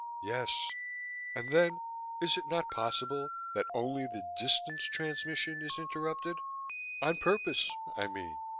"Yes. And then, is it not possible that only the distance transmission is interrupted? On purpose, I mean?"